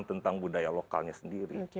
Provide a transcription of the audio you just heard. tentang budaya lokalnya sendiri